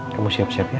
kamu siap siap ya